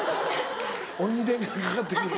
鬼電がかかって来るんだ。